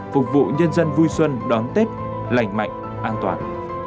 phục vụ nhân dân vui xuân đón tết lành mạnh an toàn